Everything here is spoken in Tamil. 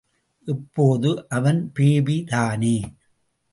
இப்போது அவன் பேபி தானே.